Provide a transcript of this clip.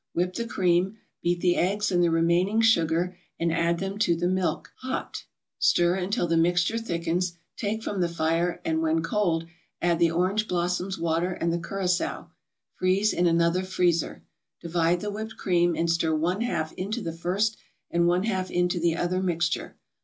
Whip the cream. Beat the eggs and the remaining sugar and add them to the milk, hot; stir until the mixture thickens, take from the fire, and, when cold, add the orange blossoms water and the Curaçao; freeze in another freezer. Divide the whipped cream, and stir one half into the first and one half into the other mixture.